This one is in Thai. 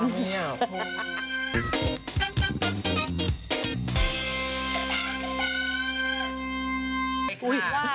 ว่าไปค่ะ